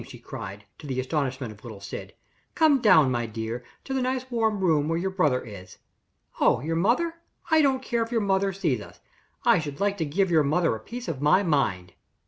she cried, to the astonishment of little Syd. "Come down, my dear, to the nice warm room where your brother is. Oh, your mother? I don't care if your mother sees us; I should like to give your mother a piece of my mind.